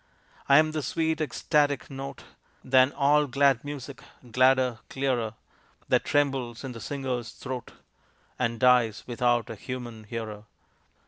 I am the sweet ecstatic note Than all glad music gladder, clearer, That trembles in the singer's throat, And dies without a human hearer.